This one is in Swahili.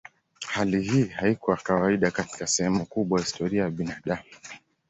Hali hii haikuwa kawaida katika sehemu kubwa ya historia ya binadamu.